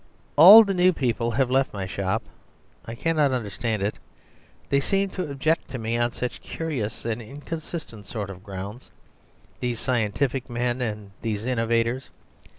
"All the new people have left my shop. I cannot understand it. They seem to object to me on such curious and inconsistent sort of grounds, these scientific men, and these innovators.